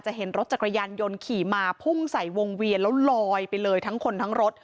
เห็นรถจักรยานยนต์ขี่มาพุ่งใส่วงเวียนแล้วลอยไปเลยทั้งคนทั้งรถ